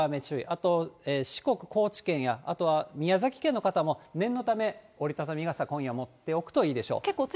あと四国、高知県や、宮崎県の方も、念のため折り畳み傘、今夜持っておくといいでしょう。